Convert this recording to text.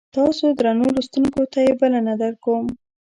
تاسو درنو لوستونکو ته یې بلنه درکوم.